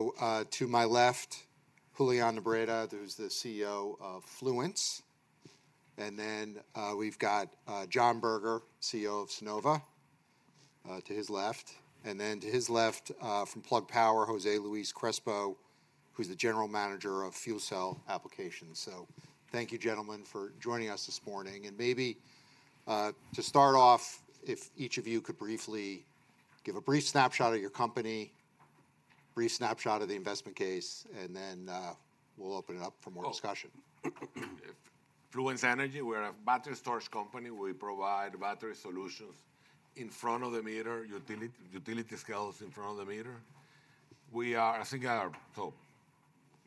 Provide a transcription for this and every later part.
To my left, Julian Nebreda, who's the CEO of Fluence. And then, we've got, John Berger, CEO of Sunnova, to his left. And then to his left, from Plug Power, Jose Luis Crespo, who's the General Manager of Fuel Cell Applications. So thank you, gentlemen, for joining us this morning. And maybe, to start off, if each of you could briefly give a brief snapshot of your company, brief snapshot of the investment case, and then, we'll open it up for more discussion. Fluence Energy, we're a battery storage company. We provide battery solutions in front of the meter, utility-scale in front of the meter. We are, I think. So,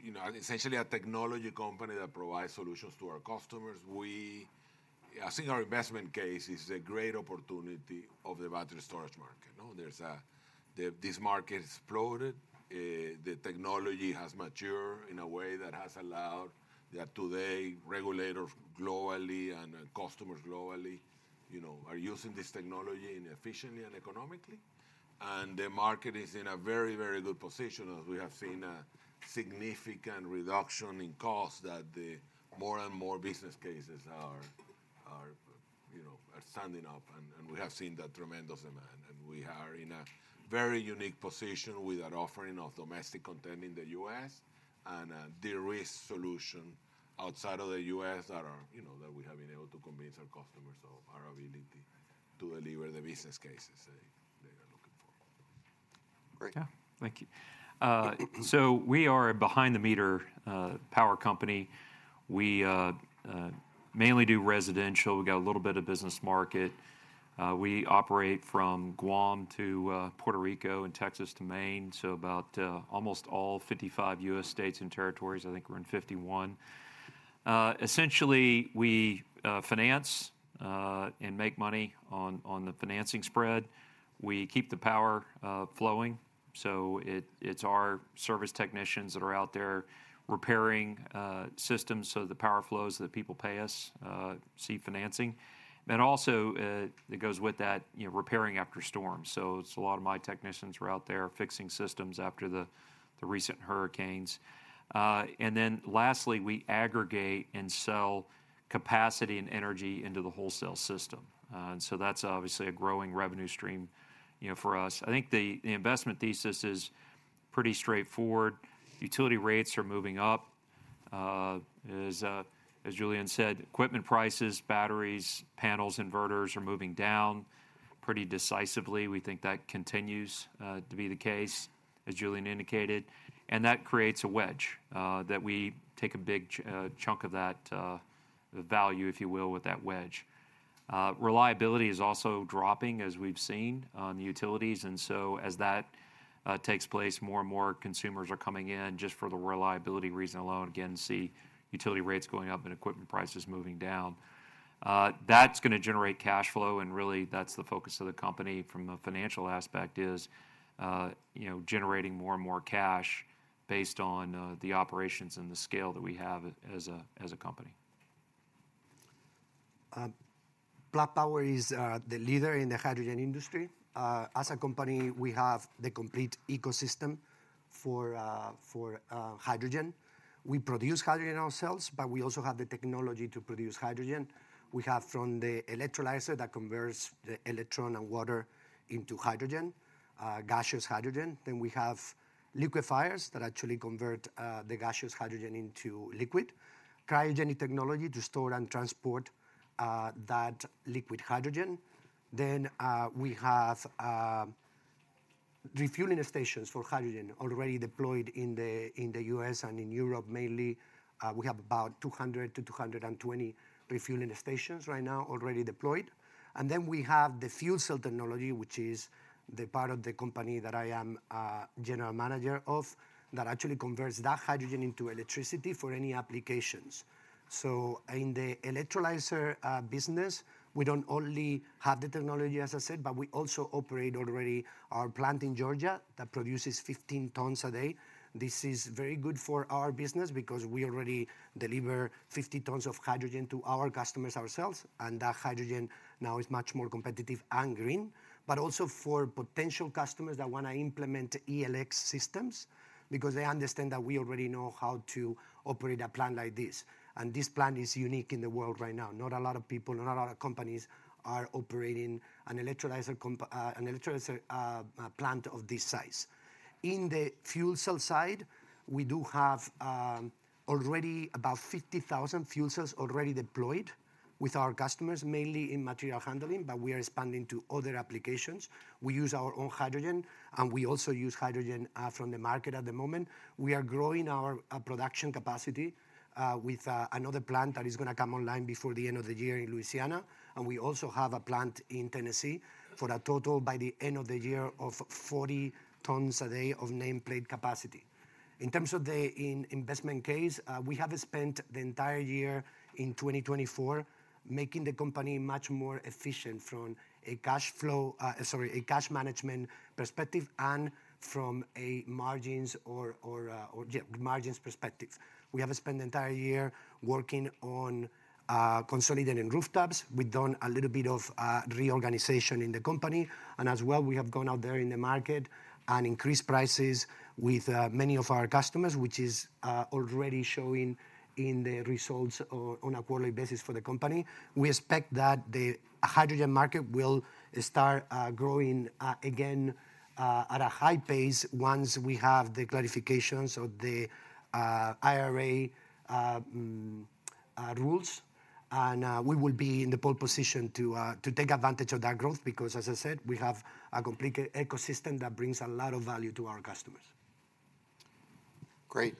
you know, essentially a technology company that provides solutions to our customers. I think our investment case is a great opportunity of the battery storage market. You know, this market exploded. The technology has matured in a way that has allowed that today. Regulators globally and customers globally, you know, are using this technology efficiently and economically, and the market is in a very, very good position, as we have seen a significant reduction in cost, that the more and more business cases are, you know, standing up, and we have seen that tremendous demand. We are in a very unique position with an offering of domestic content in the U.S. and a de-risk solution outside of the U.S. that are, you know, that we have been able to convince our customers of our ability to deliver the business cases they are looking for. Great. Yeah. Thank you. So we are a behind-the-meter power company. We mainly do residential. We got a little bit of business market. We operate from Guam to Puerto Rico, and Texas to Maine, so about almost all fifty-five U.S. states and territories. I think we're in fifty-one. Essentially, we finance and make money on the financing spread. We keep the power flowing, so it's our service technicians that are out there repairing systems, so the power flows, so that people pay us seek financing. And also, that goes with that, you know, repairing after storms. So it's a lot of my technicians were out there fixing systems after the recent hurricanes. And then lastly, we aggregate and sell capacity and energy into the wholesale system. And so that's obviously a growing revenue stream, you know, for us. I think the investment thesis is pretty straightforward. Utility rates are moving up. As Julian said, equipment prices, batteries, panels, inverters are moving down pretty decisively. We think that continues to be the case, as Julian indicated, and that creates a wedge that we take a big chunk of that, the value, if you will, with that wedge. Reliability is also dropping, as we've seen on the utilities. And so as that takes place, more and more consumers are coming in just for the reliability reason alone, again, see utility rates going up and equipment prices moving down. That's gonna generate cash flow, and really, that's the focus of the company from a financial aspect, is you know, generating more and more cash based on the operations and the scale that we have as a company. Plug Power is the leader in the hydrogen industry. As a company, we have the complete ecosystem for hydrogen. We produce hydrogen ourselves, but we also have the technology to produce hydrogen. We have from the electrolyzer that converts the electricity and water into hydrogen, gaseous hydrogen. Then we have liquefiers that actually convert the gaseous hydrogen into liquid. Cryogenic technology to store and transport that liquid hydrogen. We have refueling stations for hydrogen already deployed in the US and in Europe mainly. We have about 200-220 refueling stations right now already deployed. And then we have the fuel cell technology, which is the part of the company that I am general manager of, that actually converts that hydrogen into electricity for any applications. So in the electrolyzer business, we don't only have the technology, as I said, but we also operate already our plant in Georgia that produces 15 tons a day. This is very good for our business because we already deliver 50 tons of hydrogen to our customers ourselves, and that hydrogen now is much more competitive and green. But also for potential customers that wanna implement ELX systems, because they understand that we already know how to operate a plant like this, and this plant is unique in the world right now. Not a lot of people, not a lot of companies are operating an electrolyzer plant of this size. In the fuel cell side, we do have already about 50,000 fuel cells already deployed with our customers, mainly in material handling, but we are expanding to other applications. We use our own hydrogen, and we also use hydrogen from the market at the moment. We are growing our production capacity with another plant that is gonna come online before the end of the year in Louisiana, and we also have a plant in Tennessee, for a total, by the end of the year, of 40 tons a day of nameplate capacity. In terms of the investment case, we have spent the entire year in 2024 making the company much more efficient from a cash flow, sorry, a cash management perspective, and from a margins perspective. We have spent the entire year working on consolidating rooftops. We've done a little bit of reorganization in the company. And as well, we have gone out there in the market and increased prices with many of our customers, which is already showing in the results on a quarterly basis for the company. We expect that the hydrogen market will start growing again at a high pace once we have the clarifications of the IRA rules. And we will be in the pole position to take advantage of that growth, because, as I said, we have a complete ecosystem that brings a lot of value to our customers. Great,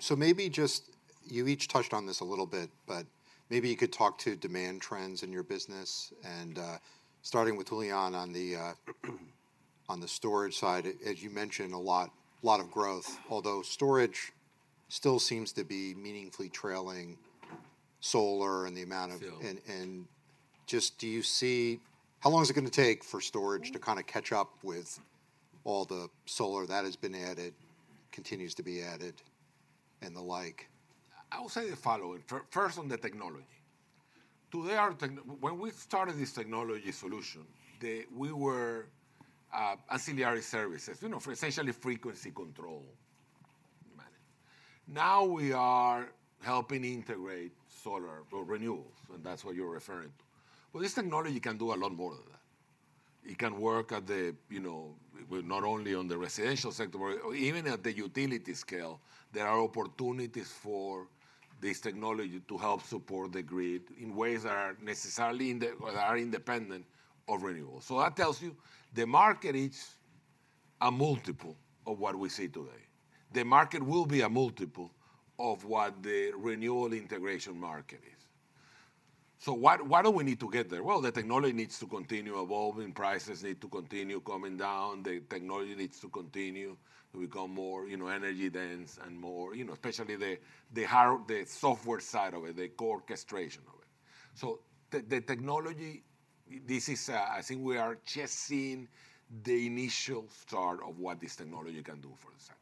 so maybe just you each touched on this a little bit, but maybe you could talk to demand trends in your business, and starting with Julian on the storage side, as you mentioned, a lot of growth, although storage still seems to be meaningfully trailing solar and the amount of and just do you see how long is it gonna take for storage to kind of catch up with all the solar that has been added, continues to be added, and the like? I will say the following: first, on the technology. Today, our technology. When we started this technology solution, we were ancillary services, you know, for essentially frequency control management. Now, we are helping integrate solar or renewables, and that's what you're referring to. This technology can do a lot more than that. It can work at the, you know, not only on the residential sector, but even at the utility scale. There are opportunities for this technology to help support the grid in ways that are independent of renewables. That tells you the market is a multiple of what we see today. The market will be a multiple of what the renewable integration market is. Why do we need to get there? The technology needs to continue evolving, prices need to continue coming down, the technology needs to continue to become more, you know, energy dense and more, you know, especially the hardware side of it, the core orchestration of it. So the technology, this is, I think we are just seeing the initial start of what this technology can do for the sector.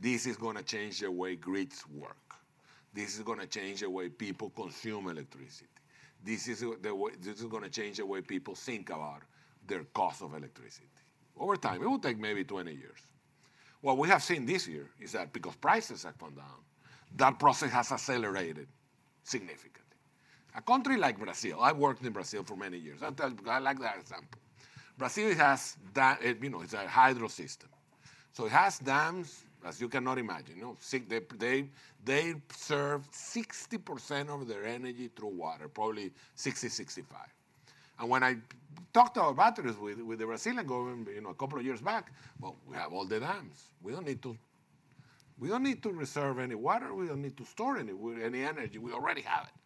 This is gonna change the way grids work. This is gonna change the way people consume electricity. This is the way, this is gonna change the way people think about their cost of electricity. Over time, it will take maybe 20 years. What we have seen this year is that because prices have come down, that process has accelerated significantly. A country like Brazil, I worked in Brazil for many years. I tell i like that example. Brazil has dams, as you can imagine, you know, it's a hydro system, so it has dams. They serve 60% of their energy through water, probably 60%-65%. And when I talked about batteries with the Brazilian government, you know, a couple of years back, "Well, we have all the dams. We don't need to reserve any water. We don't need to store any energy. We already have it."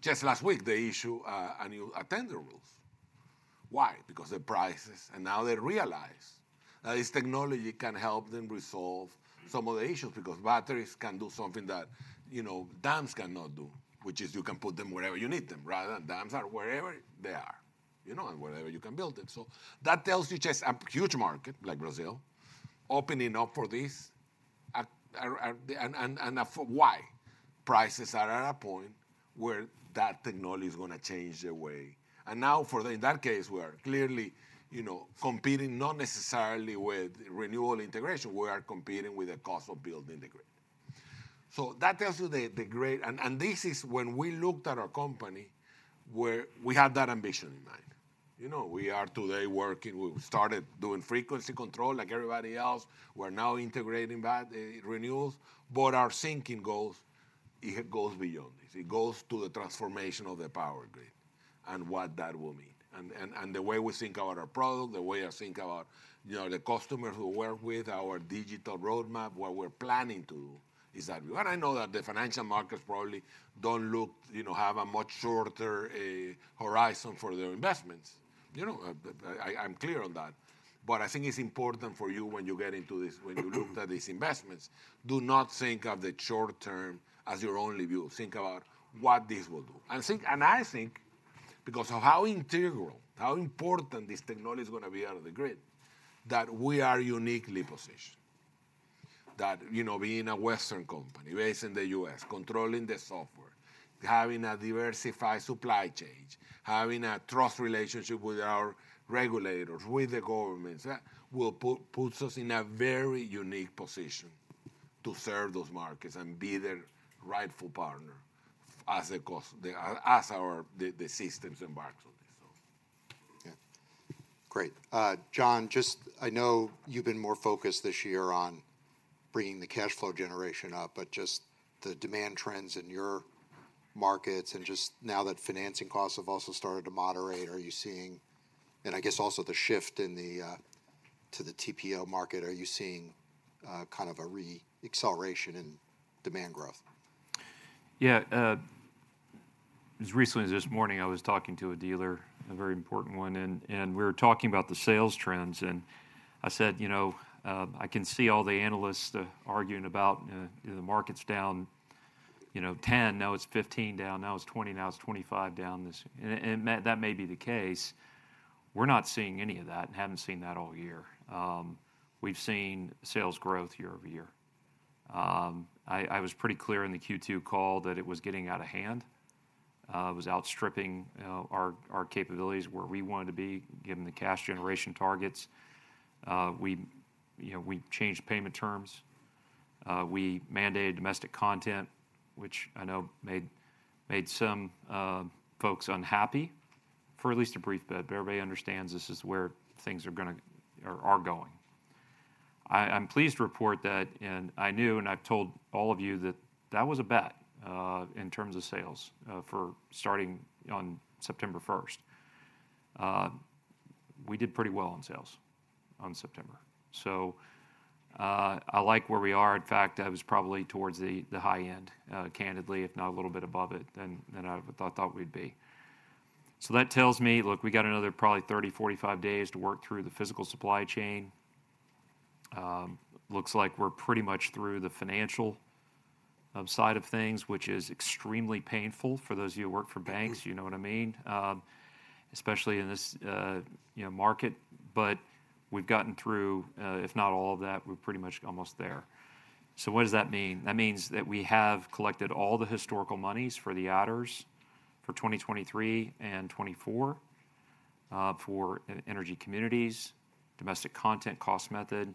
Just last week, they issued a new tender rules. Why? Because the prices, and now they realize that this technology can help them resolve some of the issues, because batteries can do something that, you know, dams cannot do, which is you can put them wherever you need them, rather than dams are wherever they are, you know, and wherever you can build them. That tells you just a huge market like Brazil opening up for this, and why. Prices are at a point where that technology is gonna change the way. In that case, we are clearly, you know, competing not necessarily with renewable integration. We are competing with the cost of building the grid. That tells you the great, and this is when we looked at our company. We had that ambition in mind. You know, we are today working. We started doing frequency control like everybody else. We're now integrating back the renewables. But our thinking goes, it goes beyond this. It goes to the transformation of the power grid and what that will mean. The way we think about our product, the way I think about, you know, the customers who work with our digital roadmap, what we're planning to do is that. I know that the financial markets probably don't look, you know, have a much shorter horizon for their investments. You know, I’m clear on that. I think it's important for you when you get into this, when you look at these investments, do not think of the short term as your only view. Think about what this will do. I think because of how integral, how important this technology is gonna be out of the grid, that we are uniquely positioned. That, you know, being a Western company, based in the U.S., controlling the software, having a diversified supply chain, having a trust relationship with our regulators, with the governments, that puts us in a very unique position to serve those markets and be their rightful partner as the cost, as our systems embark on this, so. Yeah. Great. John, just, I know you've been more focused this year on bringing the cash flow generation up, but just the demand trends in your markets and just now that financing costs have also started to moderate, are you seeing and I guess also the shift in the, to the TPO market, are you seeing, kind of a re-acceleration in demand growth? Yeah, as recently as this morning, I was talking to a dealer, a very important one, and we were talking about the sales trends, and I said, "You know, I can see all the analysts arguing about, you know, the market's down 10%, now it's 15% down, now it's 20%, now it's 25% down this and that may be the case. We're not seeing any of that and haven't seen that all year. We've seen sales growth year-over-year. I was pretty clear in the Q2 call that it was getting out of hand. It was outstripping our capabilities where we wanted to be, given the cash generation targets. You know, we changed payment terms. We mandated domestic content, which I know made some folks unhappy for at least a brief bit, but everybody understands this is where things are gonna or are going. I'm pleased to report that, and I knew, and I've told all of you, that that was a bet in terms of sales for starting on September 1st. We did pretty well on sales on September. So, I like where we are. In fact, that was probably towards the high end, candidly, if not a little bit above it, than I thought we'd be. So that tells me, look, we got another probably 30, 45 days to work through the physical supply chain. Looks like we're pretty much through the financial side of things, which is extremely painful for those of you who work for banks, you know what I mean? Especially in this, you know, market. But we've gotten through, if not all of that, we're pretty much almost there. So what does that mean? That means that we have collected all the historical monies for the adders for 2023 and 2024, for energy communities, domestic content cost method,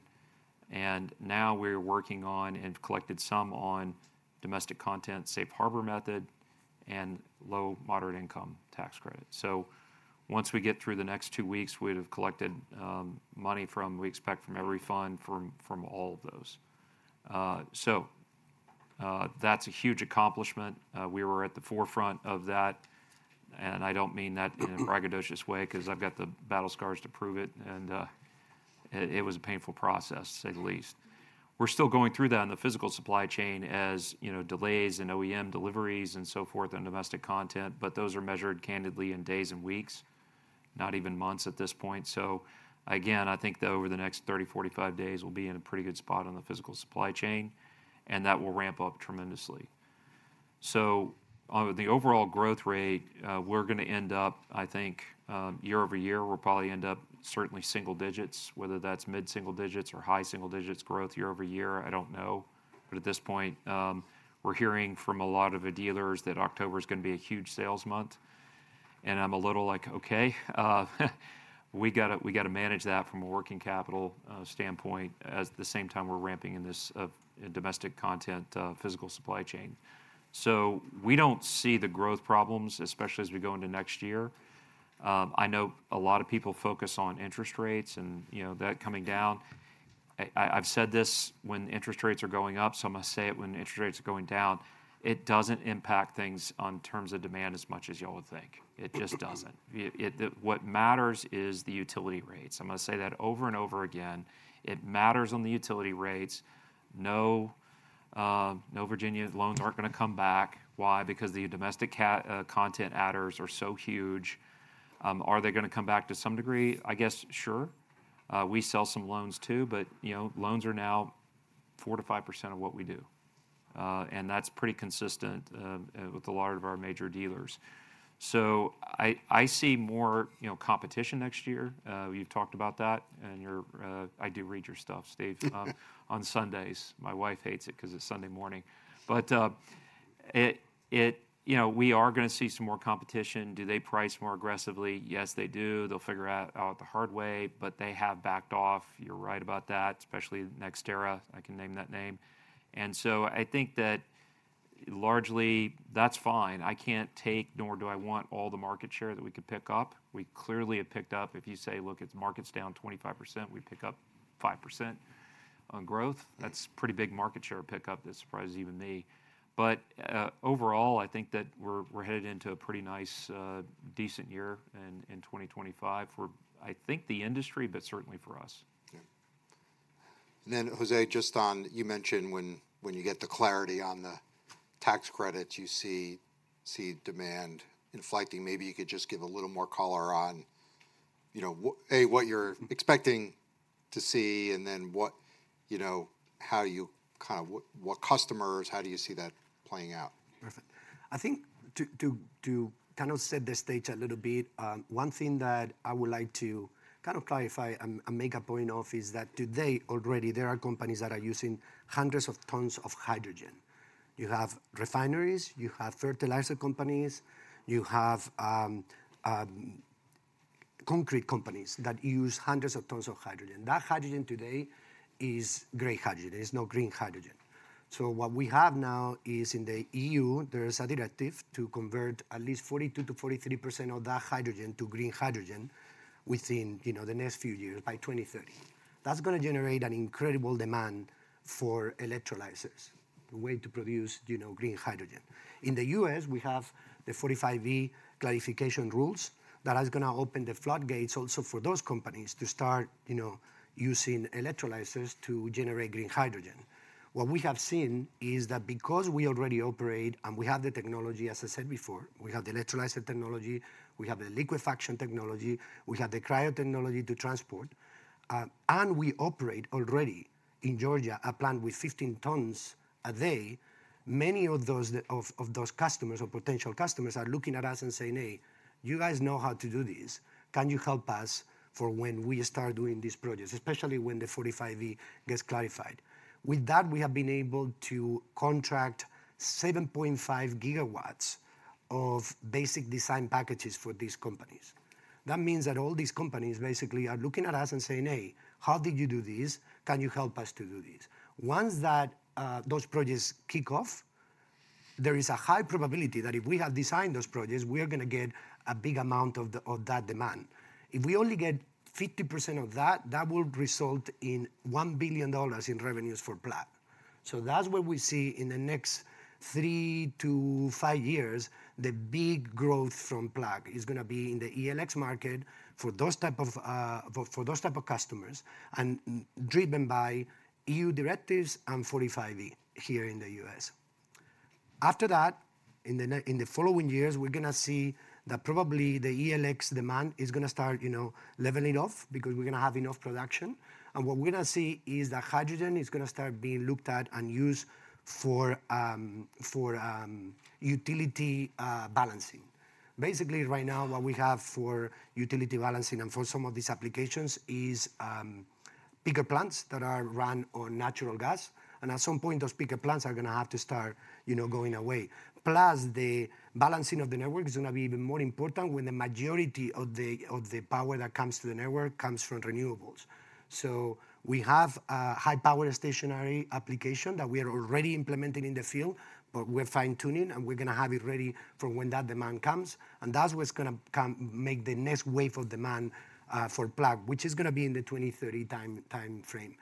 and now we're working on, and collected some on, domestic content safe harbor method, and low moderate income tax credit. So once we get through the next two weeks, we'd have collected money from we expect from every fund, from all of those. So, that's a huge accomplishment. We were at the forefront of that, and I don't mean that in a braggadocious way, 'cause I've got the battle scars to prove it, and it was a painful process, to say the least. We're still going through that in the physical supply chain, as you know, delays in OEM deliveries and so forth, and domestic content, but those are measured candidly in days and weeks, not even months at this point. So again, I think that over the next 30, 45 days we'll be in a pretty good spot on the physical supply chain, and that will ramp up tremendously. So on the overall growth rate, we're gonna end up, I think, year-over-year, we'll probably end up certainly single digits, whether that's mid single digits or high single digits growth year-over-year, I don't know. But at this point, we're hearing from a lot of the dealers that October's gonna be a huge sales month, and I'm a little like, "Okay," we gotta manage that from a working capital standpoint, at the same time we're ramping in this domestic content physical supply chain. So we don't see the growth problems, especially as we go into next year. I know a lot of people focus on interest rates and, you know, that coming down. I've said this when interest rates are going up, so I'm gonna say it when interest rates are going down. It doesn't impact things on terms of demand as much as y'all would think. It just doesn't. What matters is the utility rates. I'm gonna say that over and over again. It matters on the utility rates. No, no, Virginia, loans aren't gonna come back. Why? Because the domestic content adders are so huge. Are they gonna come back? To some degree, I guess, sure. We sell some loans too, but, you know, loans are now 4%-5% of what we do. And that's pretty consistent with a lot of our major dealers. So I see more, you know, competition next year. You've talked about that, and you're, i do read your stuff, Steve. On Sundays. My wife hates it 'cause it's Sunday morning. But, you know, we are gonna see some more competition. Do they price more aggressively? Yes, they do. They'll figure out the hard way, but they have backed off. You're right about that, especially NextEra. I can name that name. And so I think that largely that's fine. I can't take, nor do I want all the market share that we could pick up. We clearly have picked up if you say, "Look, it's market's down 25%", we pick up 5% on growth, that's pretty big market share pick up. That surprises even me. But, overall, I think that we're headed into a pretty nice, decent year in 2025 for, I think, the industry, but certainly for us. Yeah. And then, Jose, just on you mentioned when you get the clarity on the tax credits, you see demand inflecting. Maybe you could just give a little more color on, you know, A, what you're expecting to see, and then what, you know, how you kind of what customers, how do you see that playing out? Perfect. I think to kind of set the stage a little bit, one thing that I would like to kind of clarify and make a point of, is that today already, there are companies that are using hundreds of tons of hydrogen. You have refineries, you have fertilizer companies, you have concrete companies that use hundreds of tons of hydrogen. That hydrogen today is grey hydrogen, it's not green hydrogen. So what we have now is in the EU, there is a directive to convert at least 42%-43% of that hydrogen to green hydrogen within, you know, the next few years, by 2030. That's gonna generate an incredible demand for electrolyzers, the way to produce, you know, green hydrogen. In the U.S., we have the 45V clarification rules that is gonna open the floodgates also for those companies to start, you know, using electrolyzers to generate green hydrogen. What we have seen is that because we already operate and we have the technology, as I said before, we have the electrolyzer technology, we have the liquefaction technology, we have the cryo technology to transport, and we operate already in Georgia, a plant with 15 tons a day, many of those customers or potential customers are looking at us and saying, "Hey, you guys know how to do this. Can you help us for when we start doing these projects?" Especially when the 45V gets clarified. With that, we have been able to contract 7.5 gigawatts of basic design packages for these companies. That means that all these companies basically are looking at us and saying, "Hey, how did you do this? Can you help us to do this?" Once that, those projects kick off, there is a high probability that if we have designed those projects, we are gonna get a big amount of the, of that demand. If we only get 50% of that, that would result in $1 billion in revenues for Plug. So that's where we see in the next three to five years, the big growth from Plug is gonna be in the ELX market for those type of, for, for those type of customers, and driven by EU directives and 45V here in the US. After that, in the following years, we're gonna see that probably the ELX demand is gonna start, you know, leveling off, because we're gonna have enough production. What we're gonna see is that hydrogen is gonna start being looked at and used for utility balancing. Basically, right now, what we have for utility balancing and for some of these applications is bigger plants that are run on natural gas, and at some point, those bigger plants are gonna have to start, you know, going away. Plus, the balancing of the network is gonna be even more important when the majority of the power that comes to the network comes from renewables. So we have a high-power stationary application that we are already implementing in the field, but we're fine-tuning, and we're gonna have it ready for when that demand comes, and that's what's gonna come to make the next wave of demand for Plug, which is gonna be in the 2030 timeframe.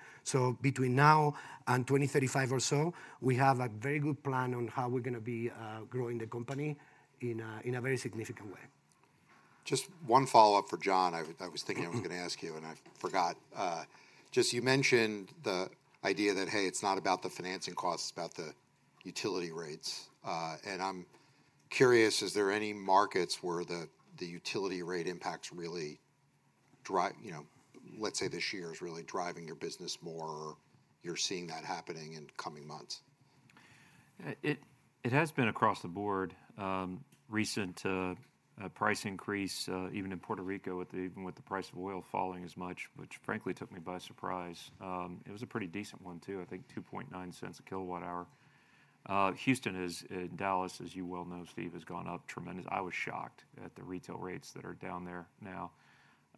Between now and 2035 or so, we have a very good plan on how we're gonna be growing the company in a very significant way. Just one follow-up for John. I was thinking i'm gonna ask you, and I forgot. Just you mentioned the idea that, hey, it's not about the financing costs, it's about the utility rates. And I'm curious, is there any markets where the utility rate impacts really drive you know, let's say this year is really driving your business more, or you're seeing that happening in coming months? It has been across the board. Recent price increase, even in Puerto Rico, even with the price of oil falling as much, which frankly took me by surprise. It was a pretty decent one, too, I think $0.029 a kWh. Houston and Dallas, as you well know, Steve, has gone up tremendous. I was shocked at the retail rates that are down there now.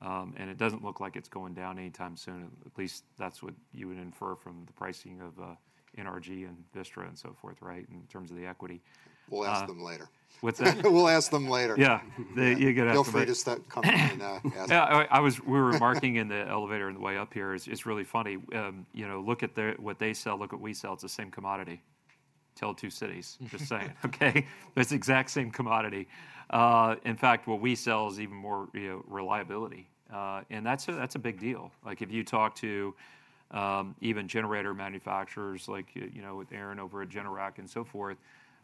And it doesn't look like it's going down anytime soon, at least that's what you would infer from the pricing of NRG and Vistra and so forth, right, in terms of the equity. We'll ask them later. What's that? We'll ask them later. Yeah. They Feel free to start coming and ask them. Yeah, we were marking in the elevator on the way up here, it's really funny. You know, look at what they sell, look at what we sell, it's the same commodity. Tale of two cities. Just saying, okay? It's the exact same commodity. In fact, what we sell is even more reliability. And that's a big deal. Like, if you talk to even generator manufacturers like, you know, with Aaron over at Generac and so forth,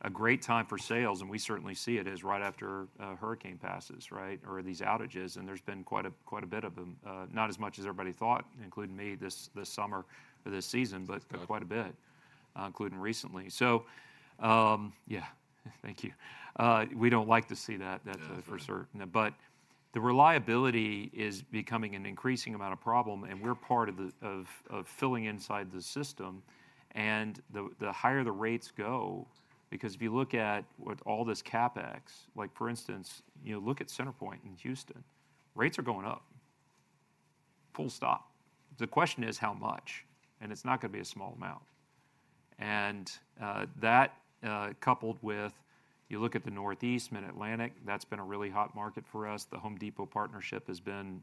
a great time for sales, and we certainly see it, is right after a hurricane passes, right? Or these outages, and there's been quite a bit of them. Not as much as everybody thought, including me, this summer or this season but quite a bit, including recently. So Yeah, thank you. We don't like to see that. That's for certain. But the reliability is becoming an increasing amount of problem, and we're part of the filling inside the system, and the higher the rates go. Because if you look at with all this CapEx, like for instance, you know, look at CenterPoint in Houston, rates are going up. Full stop. The question is how much? And it's not gonna be a small amount. And that coupled with, you look at the Northeast, Mid-Atlantic, that's been a really hot market for us. The Home Depot partnership has been,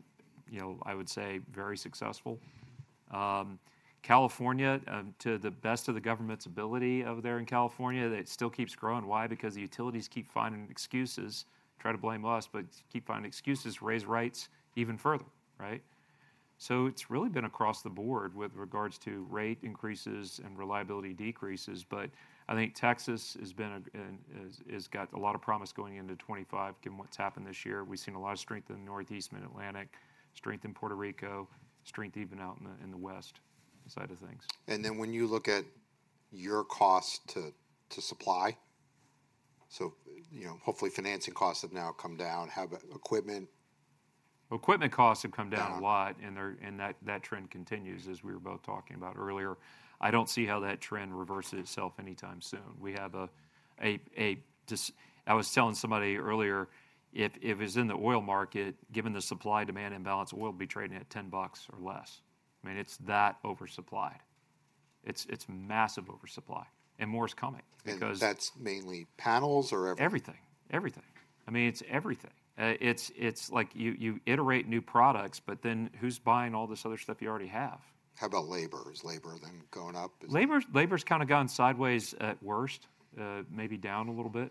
you know, I would say, very successful. California, to the best of the government's ability over there in California, it still keeps growing. Why? Because the utilities keep finding excuses, try to blame us, but keep finding excuses, raise rates even further, right? So it's really been across the board with regards to rate increases and reliability decreases, but I think Texas has been and is got a lot of promise going into 2025, given what's happened this year. We've seen a lot of strength in the Northeast and Atlantic, strength in Puerto Rico, strength even out in the west side of things. And then when you look at your cost to supply, so, you know, hopefully financing costs have now come down. How about equipment? Equipment costs have come down a lot, and that trend continues, as we were both talking about earlier. I don't see how that trend reverses itself anytime soon. We have a, I was telling somebody earlier, if it was in the oil market, given the supply-demand imbalance, oil would be trading at $10 or less. I mean, it's that oversupplied. It's massive oversupply, and more is coming because- That's mainly panels or everything? Everything, everything. I mean, it's everything. It's like you, you iterate new products, but then who's buying all this other stuff you already have? How about labor? Is labor then going up? Is- Labor, labor's kind of gone sideways at worst, maybe down a little bit,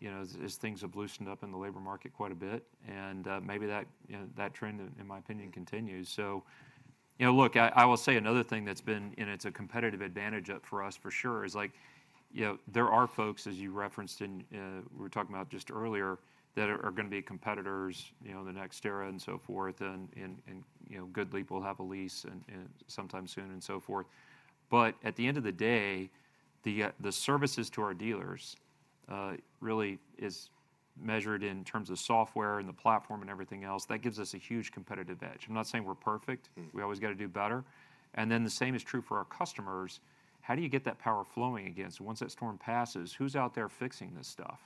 you know, as things have loosened up in the labor market quite a bit, and maybe that, you know, that trend, in my opinion, continues. So you know, look, I will say another thing that's been, and it's a competitive advantage for us for sure, is you know, there are folks, as you referenced in we were talking about just earlier, that are gonna be competitors, you know, the NextEra and so forth, and you know, GoodLeap will have a lease and sometime soon and so forth. But at the end of the day, the services to our dealers really is measured in terms of software and the platform and everything else. That gives us a huge competitive edge. I'm not saying we're perfect. We've always gonna do better, and then the same is true for our customers. How do you get that power flowing again? Once that storm passes, who's out there fixing this stuff?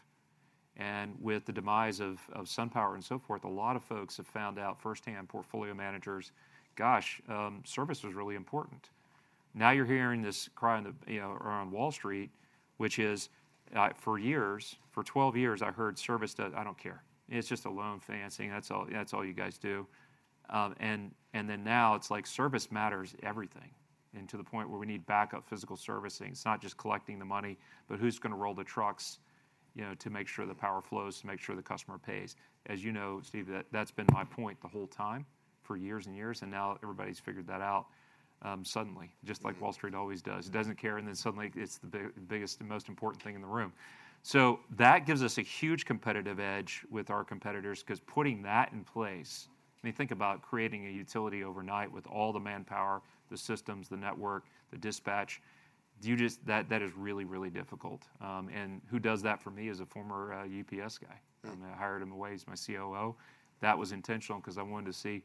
And with the demise of SunPower and so forth, a lot of folks have found out firsthand, portfolio managers, gosh, service was really important. Now, you're hearing this cry in the, you know, around Wall Street, which is, for years, for 12 years, I heard, "Service does, I don't care. It's just a loan financing, that's all, that's all you guys do." And then now it's like service matters everything, and to the point where we need backup physical servicing. It's not just collecting the money, but who's gonna roll the trucks, you know, to make sure the power flows, to make sure the customer pays? As you know, Steve, that's been my point the whole time for years and years, and now everybody's figured that out, suddenly just like Wall Street always does. Doesn't care, and then suddenly it's the big- the biggest and most important thing in the room. So that gives us a huge competitive edge with our competitors, 'cause putting that in place. I mean, think about creating a utility overnight with all the manpower, the systems, the network, the dispatch. You just that is really, really difficult. And who does that for me is a former UPS guy. And I hired him away, he's my COO. That was intentional, 'cause I wanted to see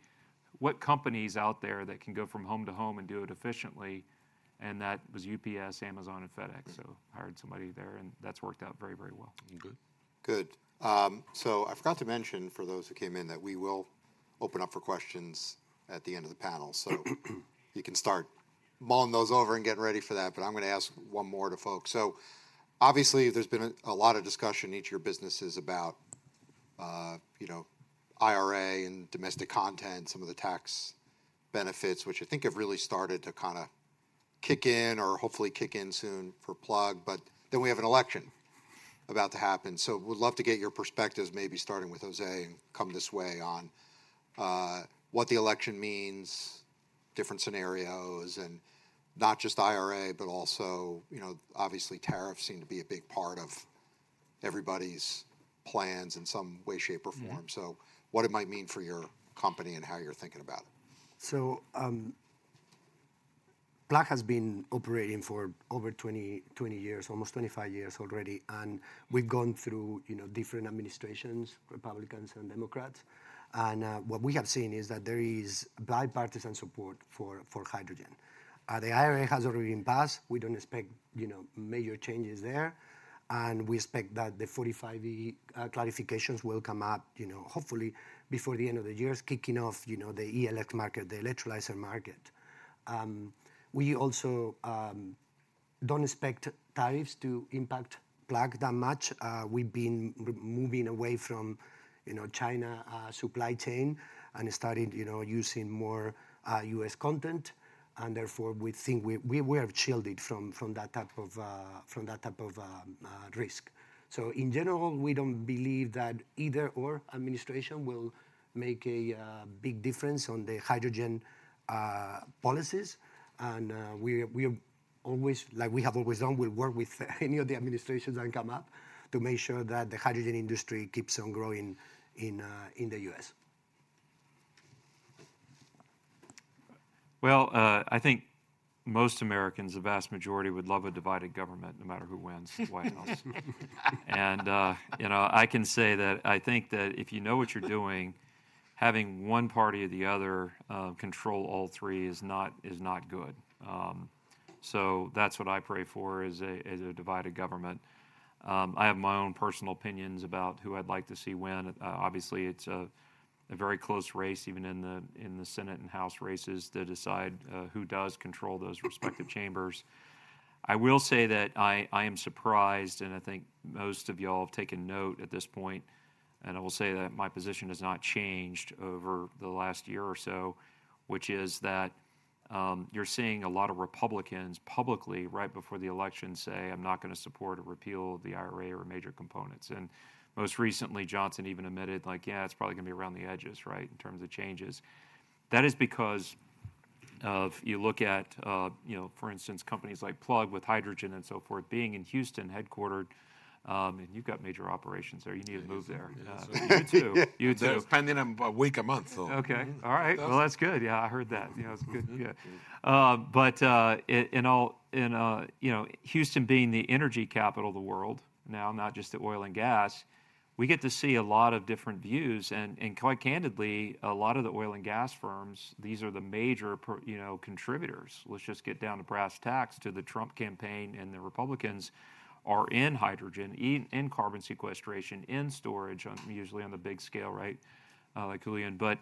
what company is out there that can go from home to home and do it efficiently, and that was UPS, Amazon, and FedEx so I hired somebody there, and that's worked out very, very well. Good. So I forgot to mention, for those who came in, that we will open up for questions at the end of the panel. So you can start mulling those over and getting ready for that, but I'm gonna ask one more to folks. So obviously, there's been a lot of discussion in each of your businesses about, you know, IRA and domestic content, some of the tax benefits, which I think have really started to kind of kick in or hopefully kick in soon for Plug. But then we have an election about to happen, so would love to get your perspectives, maybe starting with Jose and come this way, on what the election means, different scenarios, and not just IRA, but also, you know, obviously, tariffs seem to be a big part of everybody's plans in some way, shape, or form so what it might mean for your company and how you're thinking about it. So, Plug has been operating for over 20 years, almost 25 years already, and we've gone through, you know, different administrations, Republicans and Democrats. And, what we have seen is that there is bipartisan support for hydrogen. The IRA has already been passed. We don't expect, you know, major changes there, and we expect that the 45V clarifications will come out, you know, hopefully before the end of the year, kicking off, you know, the electrolyzer market. We also don't expect tariffs to impact Plug that much. We've been moving away from, you know, China supply chain and started, you know, using more US content, and therefore, we think we were shielded from that type of risk. In general, we don't believe that either administration will make a big difference on the hydrogen policies. We always, like we have always done, we'll work with any of the administrations that come up, to make sure that the hydrogen industry keeps on growing in the US. I think most Americans, the vast majority, would love a divided government, no matter who wins the White House. You know, I can say that I think that if you know what you're doing, having one party or the other control all three is not good. That's what I pray for, a divided government. I have my own personal opinions about who I'd like to see win. Obviously, it's a very close race, even in the Senate and House races, to decide who does control those respective chambers. I will say that I am surprised, and I think most of y'all have taken note at this point, and I will say that my position has not changed over the last year or so, which is that, you're seeing a lot of Republicans publicly, right before the election, say, "I'm not gonna support a repeal of the IRA or major components." And most recently, Johnson even admitted, like, "Yeah, it's probably gonna be around the edges, right? In terms of changes." That is because of you look at, you know, for instance, companies like Plug with Hydrogen and so forth, being in Houston, headquartered, and you've got major operations there. You need to move there. You too. You too. I'm spending a week a month, so. Okay All right, That's good. Yeah, I heard that. You know, it's good. But in all, and you know, Houston being the energy capital of the world now, not just the oil and gas, we get to see a lot of different views. And quite candidly, a lot of the oil and gas firms, these are the major, you know, contributors, let's just get down to brass tacks, to the Trump campaign, and the Republicans are in hydrogen, in carbon sequestration, in storage, usually on the big scale, right? Like Julian. But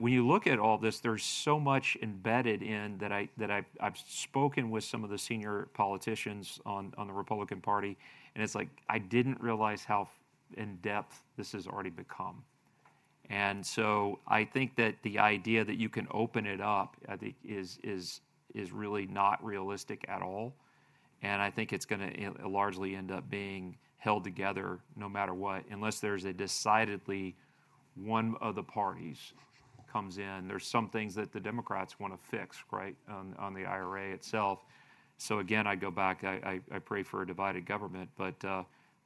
when you look at all this, there's so much embedded in that that I've spoken with some of the senior politicians on the Republican Party, and it's like, I didn't realize how in-depth this has already become. And so I think that the idea that you can open it up, I think, is really not realistic at all. I think it's gonna largely end up being held together no matter what, unless there's one of the parties comes in. There's some things that the Democrats wanna fix, right, on the IRA itself. Again, I go back, I pray for a divided government, but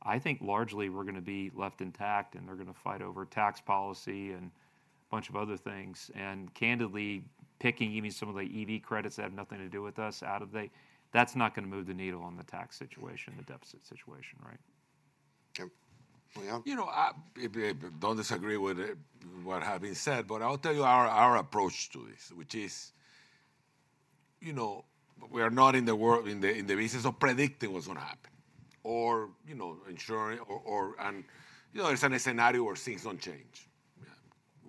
I think largely we're gonna be left intact, and they're gonna fight over tax policy and a bunch of other things. Candidly, picking even some of the EV credits that have nothing to do with us out of the, that's not gonna move the needle on the tax situation, the deficit situation, right? Okay. Well? You know, I don't disagree with what have been said, but I'll tell you our approach to this, which is, you know, we are not in the business of predicting what's gonna happen or, you know, ensuring. And, you know, it's in a scenario where things don't change. Yeah,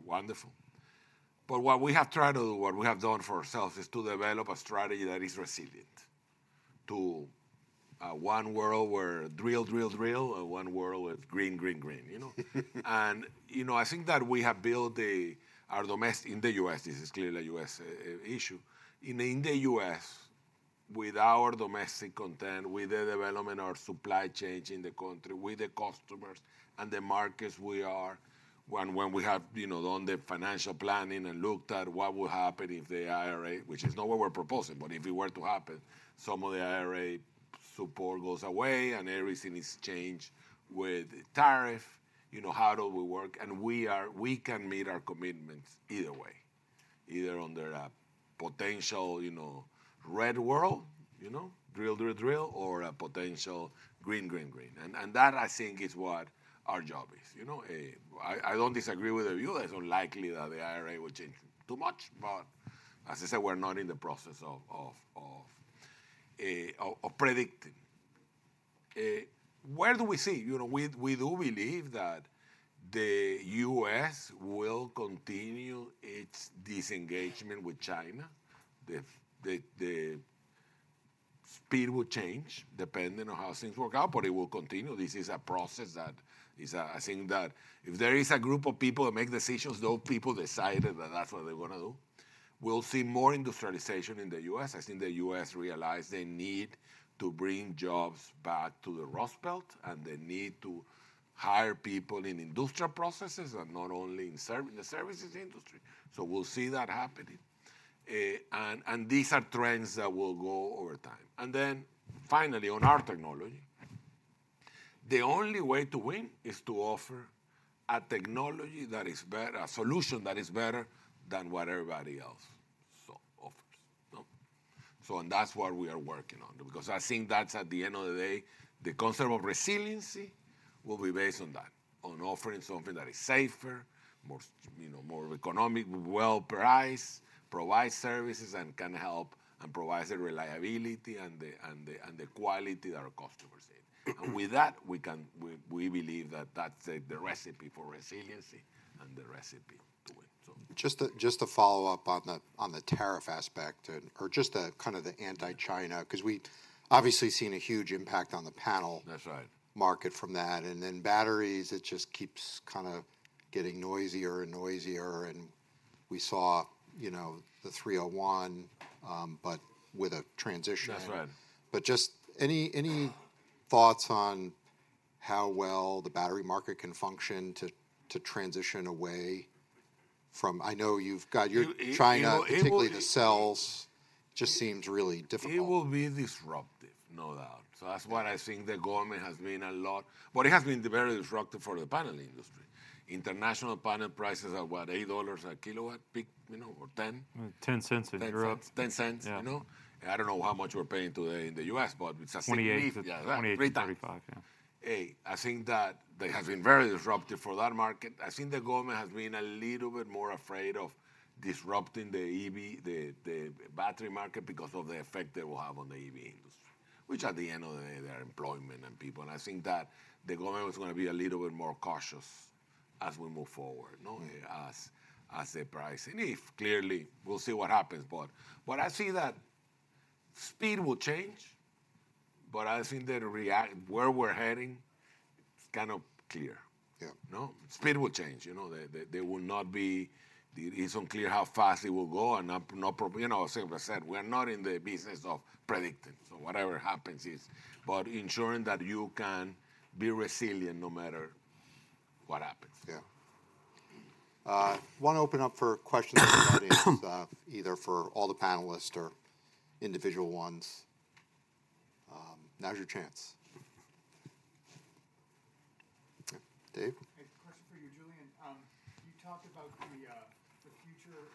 wonderful. But what we have tried to do, what we have done for ourselves, is to develop a strategy that is resilient to one world where drill, drill, drill, and one world with green, green, green, you know? And, you know, I think that we have built a our domestic - in the U.S., this is clearly a U.S. issue. In the US, with our domestic content, with the development, our supply chain in the country, with the customers and the markets we are, when we have, you know, done the financial planning and looked at what would happen if the IRA, which is not what we're proposing, but if it were to happen, some of the IRA support goes away and everything is changed with tariff. You know, how do we work? And we can meet our commitments either way, either under a potential, you know, red world, you know, drill, drill, drill, or a potential green, green, green. And that, I think, is what our job is. You know, I don't disagree with the view. It's unlikely that the IRA will change too much, but as I said, we're not in the process of predicting. You know, we do believe that the U.S. will continue its disengagement with China. The, the speed will change depending on how things work out, but it will continue. This is a process that is, I think that if there is a group of people that make decisions, those people decided that that's what they wanna do. We'll see more industrialization in the U.S. I think the U.S. realize they need to bring jobs back to the Rust Belt, and they need to hire people in industrial processes, and not only in the services industry. So we'll see that happening. And these are trends that will go over time. And then finally, on our technology, the only way to win is to offer a technology that is better, a solution that is better than what everybody else offers. No? So that's what we are working on, because I think that's, at the end of the day, the concept of resiliency will be based on that, on offering something that is safer, more—you know—more economic, well priced, provide services, and can help, and provide the reliability and the quality that our customers need. And with that, we can. We believe that that's the recipe for resiliency and the recipe to win, so. Just to follow up on the tariff aspect and, or just the kind of anti-China, 'cause we obviously seen a huge impact on the panel- That's right market from that. And then batteries, it just keeps kind of getting noisier and noisier, and we saw, you know, the 301, but with a transition. That's right. But just any thoughts on how well the battery market can function to transition away from, I know you've got you're trying to, particularly the cells, just seems really difficult. It will be disruptive, no doubt. So that's what I think the government has been a lot but it has been very disruptive for the panel industry. International panel prices are, what, $8 a kW peak, you know, or 10? $0.10 in Europe. $0.10 You know, I don't know how much we're paying today in the U.S., but it's a- 28 Yeah. 28 to 35. Yeah, three times. Hey, I think that has been very disruptive for that market. I think the government has been a little bit more afraid of disrupting the EV, the battery market, because of the effect it will have on the EV industry, which at the end of the day, there are employment and people. And I think that the government is gonna be a little bit more cautious as we move forward as the price. And if clearly, we'll see what happens. But I see that speed will change, but I think where we're heading, it's kind of clear. Yeah. You know, speed will change. You know, there will not be it's unclear how fast it will go and, you know, as I said, we're not in the business of predicting, so whatever happens is, but ensuring that you can be resilient no matter what happens. Yeah. Wanna open up for questions from the audience, either for all the panelists or individual ones. Now's your chance. Dave? Hey, question for you, Julian. You talked about the future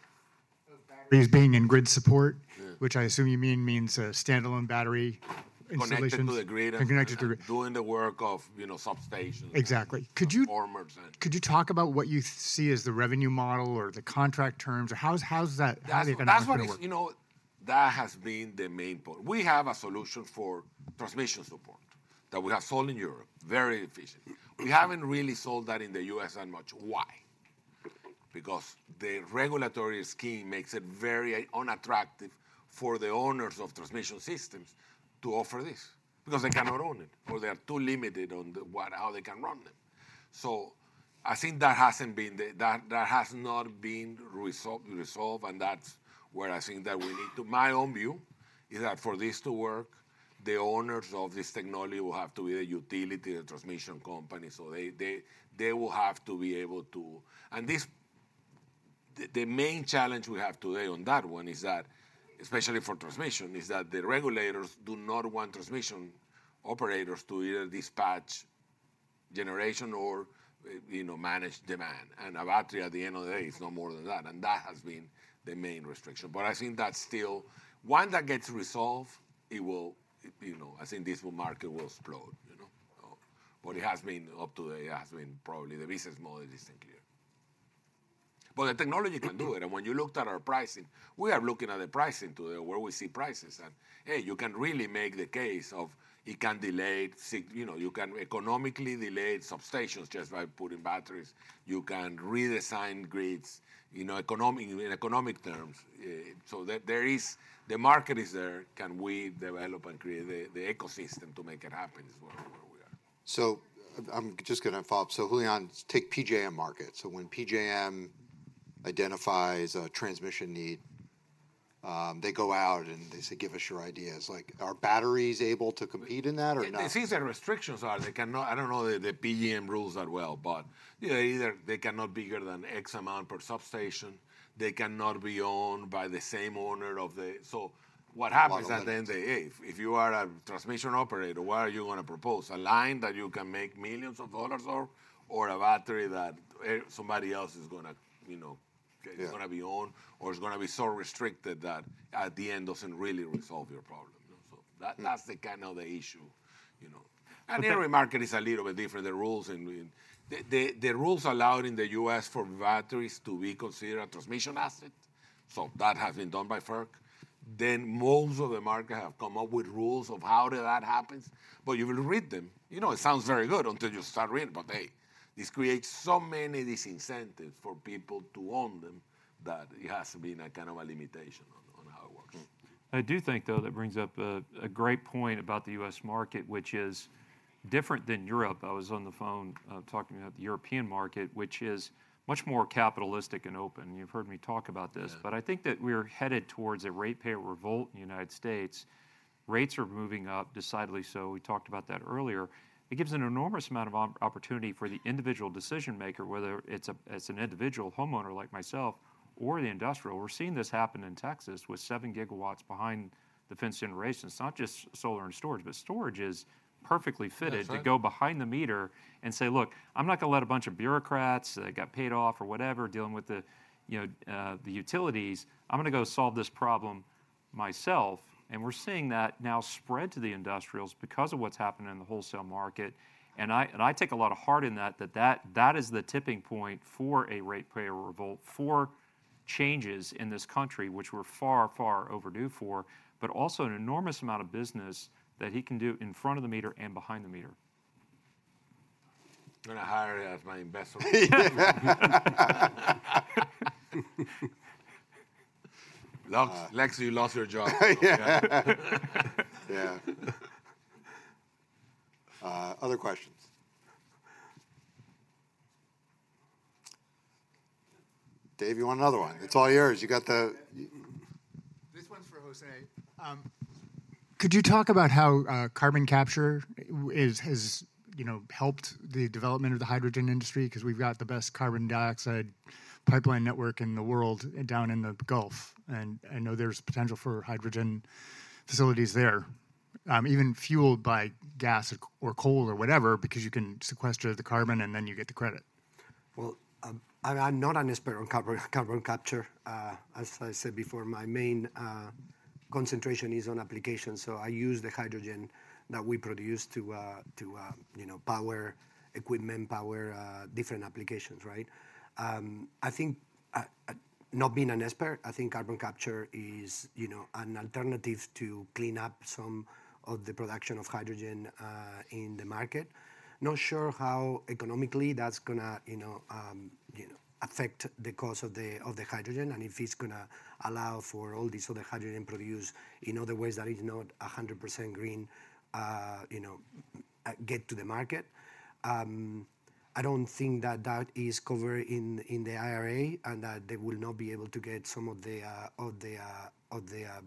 of batteries being in grid support which I assume you mean means a standalone battery solutions. Connected to the grid. And connected to- Doing the work of, you know, substation. Exactly. Transformers and- Could you talk about what you see as the revenue model or the contract terms, or how is it gonna work? That's what is, you know, that has been the main point. We have a solution for transmission support that we have sold in Europe, very efficient. We haven't really sold that in the U.S. that much. Why? Because the regulatory scheme makes it very unattractive for the owners of transmission systems to offer this, because they cannot own it, or they are too limited on the what, how they can run them. So I think that hasn't been the, that has not been resolved, and that's where I think that we need to. My own view is that for this to work, the owners of this technology will have to be a utility, a transmission company. They will have to be able to, and the main challenge we have today on that one is that, especially for transmission, the regulators do not want transmission operators to either dispatch generation or you know manage demand. A battery, at the end of the day, is no more than that, and that has been the main restriction. I think that's still one that gets resolved, it will you know I think this market will explode, you know. It has been, up to today, probably the business model isn't clear. But the technology can do it, and when you looked at our pricing, we are looking at the pricing today, where we see prices, and, hey, you can really make the case of it can delay you know, you can economically delay substations just by putting batteries. You can redesign grids, you know, in economic terms. So there is the market is there. Can we develop and create the ecosystem to make it happen, is where we are. So I'm just gonna follow up. So Julian, take PJM market. So when PJM identifies a transmission need, they go out, and they say, "Give us your ideas." Like, are batteries able to compete in that or not? It seems the restrictions are they cannot, I don't know the PJM rules that well, but, you know, either they cannot be greater than X amount per substation, they cannot be owned by the same owner of the, So what happens if you are a transmission operator, what are you gonna propose? A line that you can make millions of dollars or a battery that somebody else is gonna, you know, it's gonna be owned, or it's gonna be so restricted that, at the end, doesn't really resolve your problem. So that, that's the kind of issue, you know. Okay. Every market is a little bit different. The rules and the rules allowed in the U.S. for batteries to be considered a transmission asset, so that has been done by FERC. Then most of the market have come up with rules of how that happens, but you will read them. You know, it sounds very good until you start reading, but, hey, this creates so many disincentives for people to own them, that it has been a kind of a limitation on how it works. I do think, though, that brings up a great point about the U.S. market, which is different than Europe. I was on the phone, talking about the European market, which is much more capitalistic and open. You've heard me talk about this. But I think that we're headed towards a ratepayer revolt in the United States. Rates are moving up, decidedly so. We talked about that earlier. It gives an enormous amount of opportunity for the individual decision-maker, whether it's a, it's an individual homeowner, like myself, or the industrial. We're seeing this happen in Texas with seven gigawatts behind the fence generation. It's not just solar and storage, but storage is perfectly fitted to go behind the meter and say, "Look, I'm not gonna let a bunch of bureaucrats that got paid off or whatever, dealing with the, you know, the utilities. I'm gonna go solve this problem myself." And we're seeing that now spread to the industrials because of what's happening in the wholesale market. And I take a lot of heart in that, that is the tipping point for a ratepayer revolt, for changes in this country, which we're far, far overdue for, but also an enormous amount of business that he can do in front of the meter and behind the meter. I'm gonna hire you as my investment. Looks like you lost your job. Yeah. Yeah. Other questions? Dave, you want another one? It's all yours. You got the- This one's for Jose. Could you talk about how carbon capture is, has, you know, helped the development of the hydrogen industry? 'Cause we've got the best carbon dioxide pipeline network in the world down in the Gulf, and I know there's potential for hydrogen facilities there, even fueled by gas or coal or whatever, because you can sequester the carbon, and then you get the credit. Well, I'm not an expert on carbon capture. As I said before, my main concentration is on application, so I use the hydrogen that we produce to you know power equipment, different applications, right? I think not being an expert, I think carbon capture is you know an alternative to clean up some of the production of hydrogen in the market. Not sure how economically that's gonna you know affect the cost of the hydrogen and if it's gonna allow for all this other hydrogen produced in other ways that is not a hundred percent green you know get to the market. I don't think that that is covered in the IRA, and that they will not be able to get some of the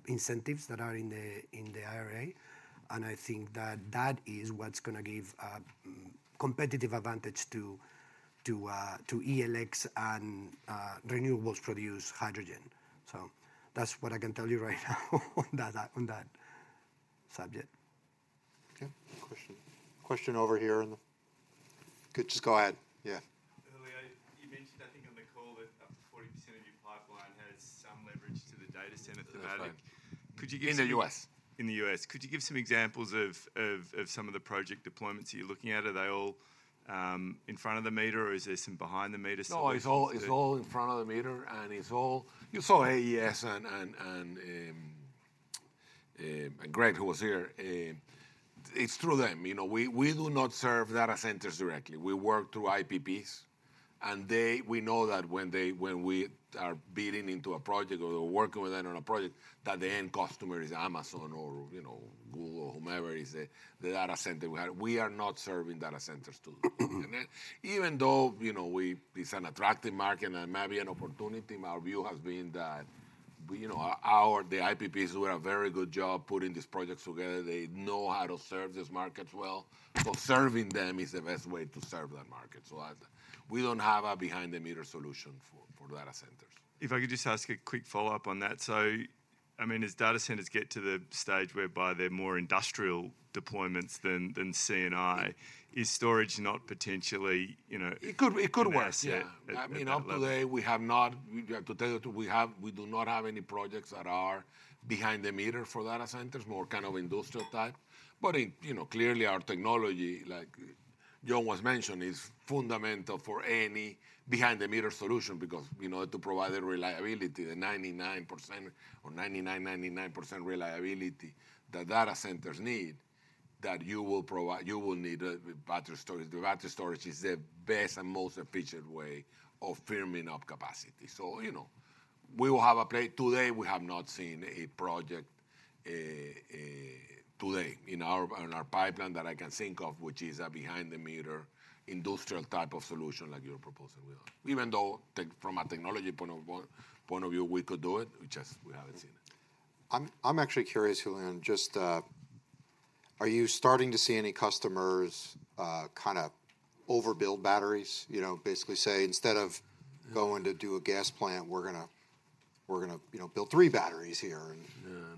incentives that are in the IRA. And I think that that is what's gonna give a competitive advantage to ELX and renewables produce hydrogen. So that's what I can tell you right now, on that subject. Okay. Question, question over here in the. Yeah. Earlier, you mentioned, I think on the call, that up to 40% of your pipeline has some leverage to the data center. Could you give some- In the U.S. In the US. Could you give some examples of some of the project deployments that you're looking at? Are they all in front-of-the-meter, or is there some behind-the-meter solutions? No, it's all in front of the meter, and it's all. You saw AES and Greg, who was here. It's through them. You know, we do not serve data centers directly. We work through IPPs, and we know that when we are bidding into a project or working with them on a project, that the end customer is Amazon, you know, Google, whomever is the data center. We are not serving data centers too. And then even though, you know, it's an attractive market and maybe an opportunity, our view has been that, you know, the IPPs do a very good job putting these projects together. They know how to serve these markets well, so serving them is the best way to serve that market. We don't have a behind-the-meter solution for data centers. If I could just ask a quick follow-up on that. So, I mean, as data centers get to the stage whereby they're more industrial deployments than C&I, is storage not potentially, you know- It could, it could work. Yeah. I mean, up today, we have to tell you, we do not have any projects that are behind-the-meter for data centers, more kind of industrial type. But in, you know, clearly our technology, like John was mentioning, is fundamental for any behind-the-meter solution because, you know, to provide the reliability, the 99% or 99.99% reliability that data centers need, that you will need a battery storage. The battery storage is the best and most efficient way of firming up capacity. So, you know, we will have a place. Today, we have not seen a project today in our pipeline that I can think of, which is a behind-the-meter, industrial type of solution like you're proposing. Even though from a technology point of view, we could do it. We just haven't seen it. I'm actually curious, Julian, just, are you starting to see any customers kind of overbuild batteries? You know, basically say, "Instead of going to do a gas plant, we're gonna, you know, build three batteries here and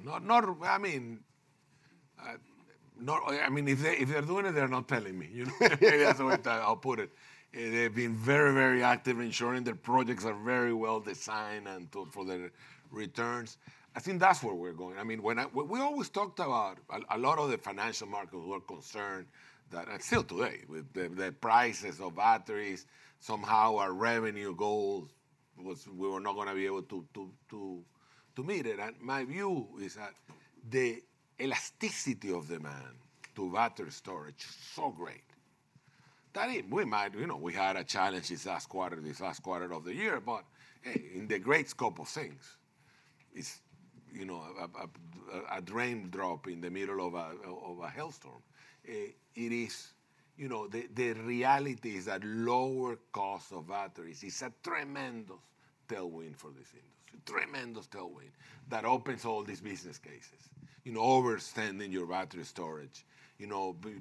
Yeah. Not, I mean, if they, if they're doing it, they're not telling me, you know? Maybe that's the way that I'll put it. They've been very, very active in ensuring their projects are very well-designed and to, for their returns. I think that's where we're going. I mean, when we always talked about, a lot of the financial markets were concerned that, and still today, with the prices of batteries, somehow our revenue goals was we were not gonna be able to meet it. And my view is that the elasticity of demand to battery storage is so great that it. We might, you know, we had a challenge this last quarter, this last quarter of the year, but hey, in the great scope of things, it's, you know, a raindrop in the middle of a hailstorm. It is, you know, the reality is that lower cost of batteries is a tremendous tailwind for this industry, tremendous tailwind, that opens all these business cases. You know, understanding your battery storage. You know, but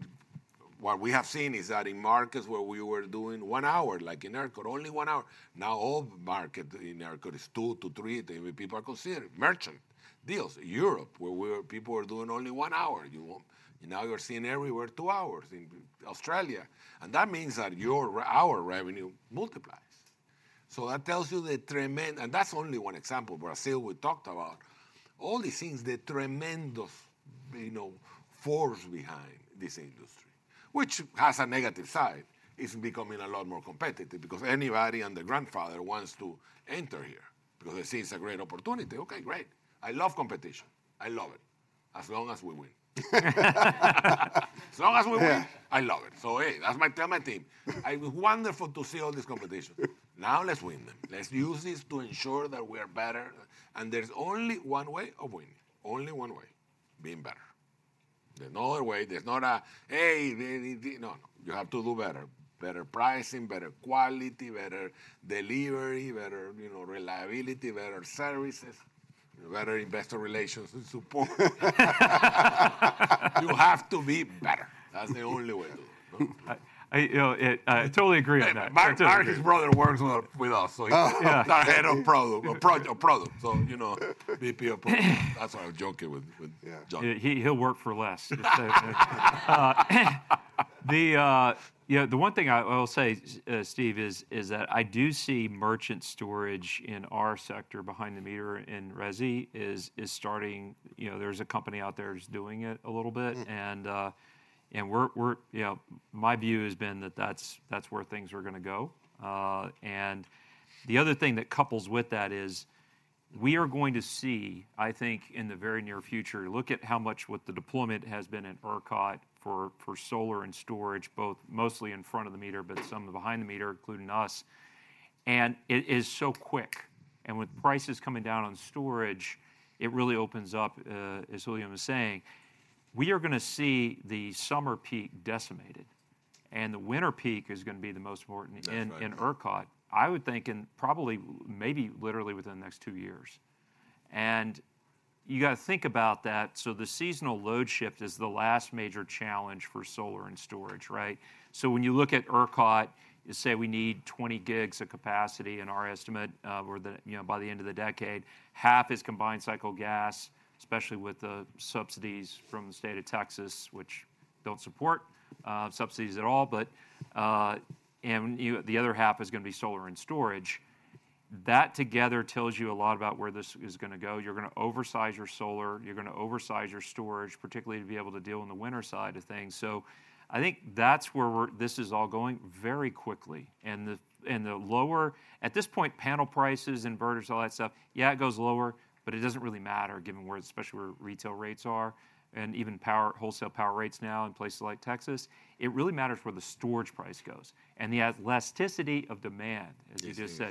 what we have seen is that in markets where we were doing one hour, like in ERCOT, only one hour, now the whole market in ERCOT is two-to-three, and people are considering merchant deals. Europe, where we were, people were doing only one hour. Now you're seeing everywhere two hours, in Australia. And that means that our revenue multiplies. So that tells you the tremendous, and that's only one example. Brazil, we talked about. All these things, the tremendous, you know, force behind this industry, which has a negative side. It's becoming a lot more competitive, because anybody and their grandfather wants to enter here because they see it's a great opportunity. Okay, great! I love competition. I love it, as long as we win. As long as we win, I love it. So, hey, that's my, tell my team. It's wonderful to see all this competition. Now let's win them. Let's use this to ensure that we are better. And there's only one way of winning, only one way: being better. There's no other way, there's not a Hey, No, no, you have to do better. Better pricing, better quality, better delivery, better, you know, reliability, better services, better investor relations and support. You have to be better. That's the only way to do it. You know, I totally agree on that. Mark, Mark's brother works with us the head of product. So, you know, VP of product. That's why I was joking with John. He'll work for less. Yeah, the one thing I will say, Steve, is that I do see merchant storage in our sector behind the meter in resi, is starting you know, there's a company out there that's doing it a little bit. We're you know, my view has been that that's where things are gonna go. And the other thing that couples with that is, we are going to see, I think, in the very near future. Look at how much, what the deployment has been in ERCOT for solar and storage, both mostly in front of the meter, but some behind the meter, including us, and it is so quick. And with prices coming down on storage, it really opens up, as William was saying, we are gonna see the summer peak decimated, and the winter peak is gonna be the most important. That's right In ERCOT, I would think, probably, maybe literally within the next two years. And you gotta think about that. So the seasonal load shift is the last major challenge for solar and storage, right? So when you look at ERCOT, you say we need 20 gigs of capacity in our estimate, or you know, by the end of the decade. Half is combined cycle gas, especially with the subsidies from the state of Texas, which don't support subsidies at all, but and you, the other half is gonna be solar and storage. That together tells you a lot about where this is gonna go. You're gonna oversize your solar, you're gonna oversize your storage, particularly to be able to deal in the winter side of things. So I think that's where we're, this is all going, very quickly. And the lower, At this point, panel prices, inverters, all that stuff, yeah, it goes lower, but it doesn't really matter, given where, especially where retail rates are, and even power, wholesale power rates now in places like Texas. It really matters where the storage price goes and the elasticity of demand, as you just said.